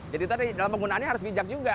jadi tadi dalam penggunaannya harus bijak juga